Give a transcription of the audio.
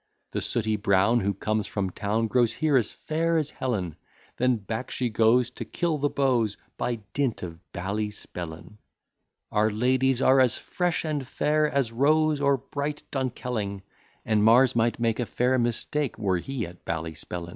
The sooty brown, who comes from town, Grows here as fair as Helen; Then back she goes, to kill the beaux, By dint of Ballyspellin. Our ladies are as fresh and fair As Rose, or bright Dunkelling: And Mars might make a fair mistake, Were he at Ballyspellin.